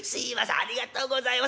ありがとうございます。